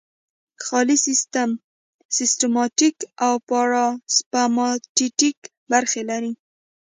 ځانی سیستم سمپاتیتیک او پاراسمپاتیتیک برخې لري